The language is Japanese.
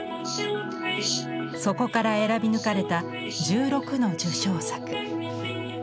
そこから選び抜かれた１６の受賞作。